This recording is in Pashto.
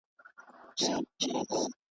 هغه د تاریخ لیکنه